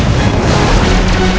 aku ingin menemukanmu